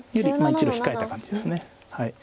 １路控えた感じです。